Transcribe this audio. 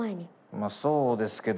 まっそうですけど。